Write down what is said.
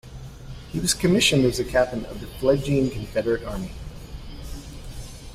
He was commissioned as a captain in the fledgling Confederate army.